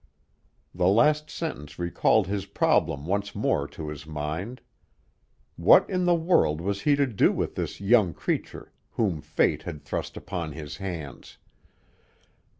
The last sentence recalled his problem once more to his mind. What in the world was he to do with this young creature whom fate had thrust upon his hands?